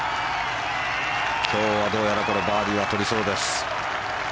今日はどうやらバーディーは取りそうです。